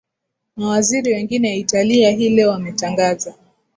mawaziri wengine italia hii leo wametangaza